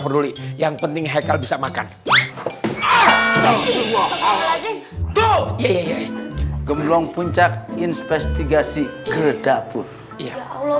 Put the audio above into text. peduli yang penting haikal bisa makan ah ah ah ah gemblong puncak investigasi kedapun ya allah